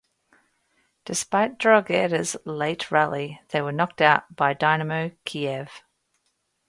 Despite Drogheda's late rally, they were knocked out by Dynamo Kyiv.